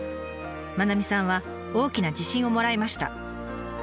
愛さんは大きな自信をもらいました。